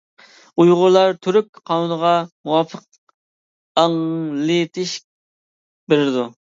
ئۇيغۇرلار تۈرك قانۇنىغا مۇۋاپىق ئاڭلىتىش بېرىدۇ.